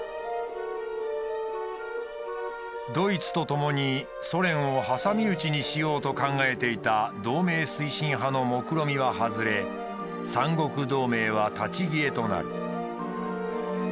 ドイツと共にソ連を挟み撃ちにしようと考えていた同盟推進派のもくろみは外れ三国同盟は立ち消えとなる。